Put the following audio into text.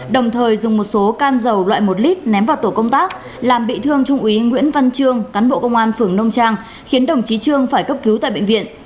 đồng thời dùng một số can dầu loại một lit ném vào tổ công tác làm bị thương trung úy nguyễn văn trương cán bộ công an phường nông trang khiến đồng chí trương phải cấp cứu tại bệnh viện